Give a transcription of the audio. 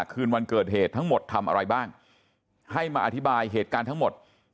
คืนวันเกิดเหตุทั้งหมดทำอะไรบ้างให้มาอธิบายเหตุการณ์ทั้งหมด